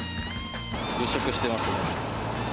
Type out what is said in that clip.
物色してますね。